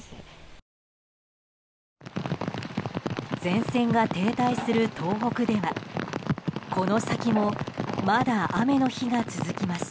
前線が停滞する東北ではこの先もまだ雨の日が続きます。